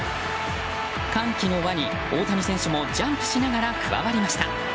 歓喜の輪に大谷選手もジャンプしながら加わりました。